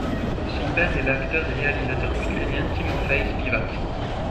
Son père est l'acteur et réalisateur ukrainien Timofei Spivak.